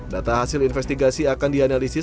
data hasil investigasi akan dianalisis